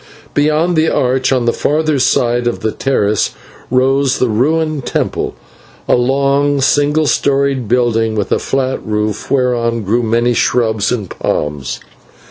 Beyond the arch, on the further side of the terrace, rose the ruined temple, a long single storied building with a flat roof whereon grew many shrubs and palms.